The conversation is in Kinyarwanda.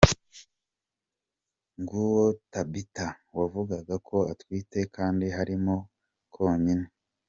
Nguwo Tabitha wavugaga ko atwite kandi harimo Kokayine.